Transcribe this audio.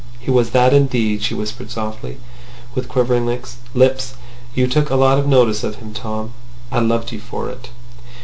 "He was that indeed," she whispered softly, with quivering lips. "You took a lot of notice of him, Tom. I loved you for it."